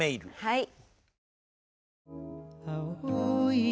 はい。